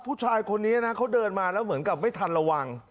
ผู้ชายคนนี้นะเขาเดินมาแล้วเหมือนกับไม่ทันระวัง